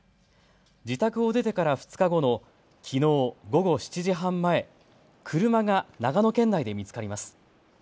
自宅を出てから２日後のきのう午後７時半前、車が長野県内で見つかります。